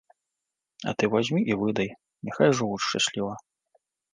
А ты вазьмі і выдай, няхай жывуць шчасліва.